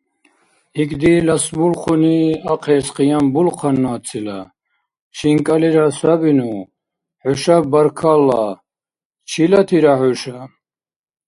— Икӏди ласбулхъуни ахъес къиянбулхъанну, аццила, шинкӏалира сабину, хӏушаб баркалла. Чилатира хӏуша?